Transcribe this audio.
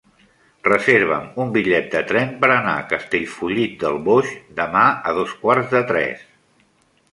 Reserva'm un bitllet de tren per anar a Castellfollit del Boix demà a dos quarts de tres.